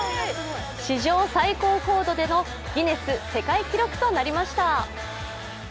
史上最高高度でのギネス世界記録となりました。